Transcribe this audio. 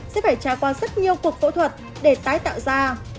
sẽ phải trải qua rất nhiều cuộc phẫu thuật để tái tạo ra